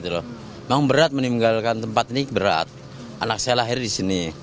memang berat meninggalkan tempat ini berat anak saya lahir di sini